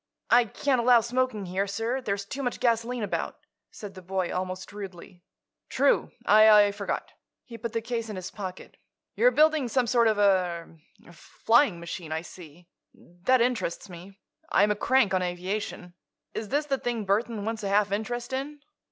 "I can't allow smoking here, sir; there's too much gasoline about," said the boy, almost rudely. "True. I forgot." He put the case in his pocket. "You're building some sort of a—er—er—flying machine, I see. That interests me. I'm a crank on aviation. Is this the thing Burthon wants a half interest in?"